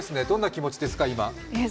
どんな気持ちですか、今？